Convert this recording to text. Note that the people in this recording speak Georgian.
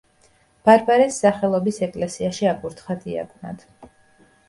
ბარბარეს სახელობის ეკლესიაში აკურთხა დიაკვნად.